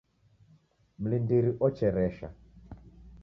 Mlindiri ocheresha